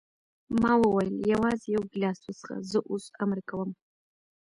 ما وویل: یوازې یو ګیلاس وڅښه، زه اوس امر کوم.